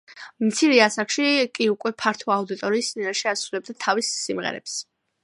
მცირე ასაკში კი უკვე ფართო აუდიტორიის წინაშე ასრულებდა თავის სიმღერებს.